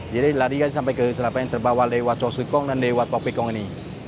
jadi lari kan sampai ke selapa yang terbawa lewat coseko dan lewat tuopeko ini